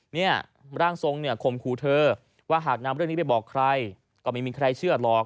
เนี่ยร่างทรงเนี่ยข่มขู่เธอว่าหากนำเรื่องนี้ไปบอกใครก็ไม่มีใครเชื่อหรอก